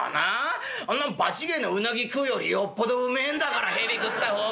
あんなん場違えのウナギ食うよりよっぽどうめえんだから蛇食った方が。